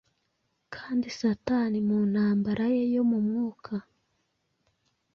Kandi Satani mu ntambara ye yo mu mwuka